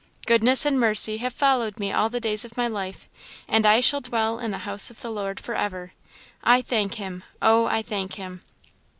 Goodness and mercy have followed me all the days of my life, and I shall dwell in the house of the Lord for ever. I thank him! Oh, I thank him!"